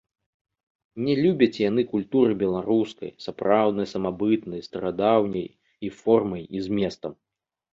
Не любяць яны культуры беларускай, сапраўднай, самабытнай, старадаўняй і формай і зместам.